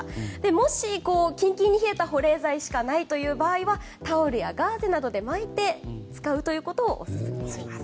もしキンキンに冷えた保冷剤しかないという場合はタオルやガーゼなどで巻いて使うことをオススメしています。